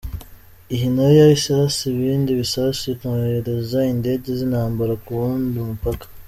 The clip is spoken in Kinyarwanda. Iyi nayo yahise irasa ibindi bisasu inohereza indege z’intambara kuri uwo mupaka.